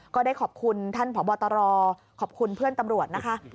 ก็ได้ขอบคุณท่านผอบตรขอบคุณเพื่อนตำรวจนะคะ